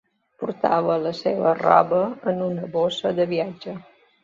Portava la seva roba en una bossa de viatge.